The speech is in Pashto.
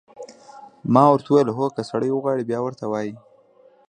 ما ورته وویل: هو، که سړی وغواړي، بیا ورته وایي.